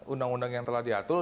undang undang yang telah diatur